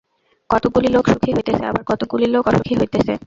কতকগুলি লোক সুখী হইতেছে, আবার কতকগুলি লোক অসুখী হইতেছে।